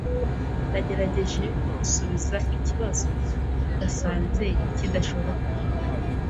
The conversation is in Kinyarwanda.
Nagerageje gusubiza ikibazo, nasanze kidashoboka.